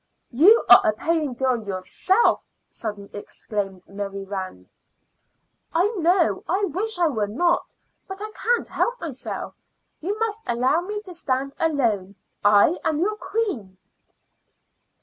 "You are a paying girl yourself," suddenly exclaimed Mary Rand. "I know. I wish I were not, but I can't help myself. You must allow me to stand alone; I am your queen."